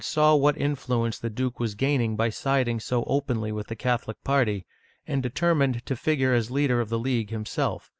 saw what influence the duke was gaining by siding so openly with the Catholic party, and determined to figure as leader of the League himself.